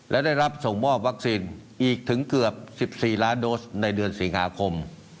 และได้รับส่งมอบวัคซีนอีกถึงเกือบ๑๔ล้านโดสในเดือนสิงหาคม